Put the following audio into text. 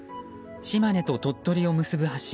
島根と鳥取を結ぶ橋